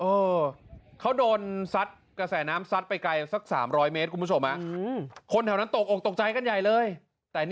เออเขาโดนซัดกระแสน้ำซัดไปไกลสักสามร้อยเมตรคุณผู้ชมอ่ะ